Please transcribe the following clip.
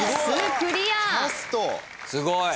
すごい。